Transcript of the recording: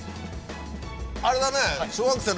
あれだね。